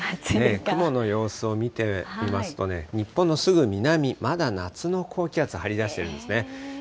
雲の様子を見てみますとね、日本のすぐ南、まだ夏の高気圧張り出してるんですね。